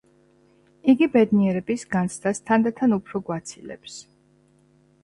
იგი ბედნიერების განცდას თანდათან უფრო გვაცილებს.